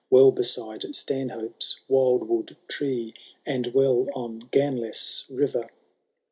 Well beside Stanhope^s wildwood tree. And well on Ganlesse river.